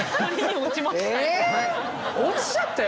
落ちちゃったよ